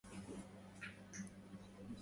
يا كرام الانام يا آل طه